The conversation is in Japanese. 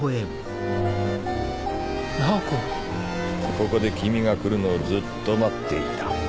ここで君が来るのをずっと待っていた。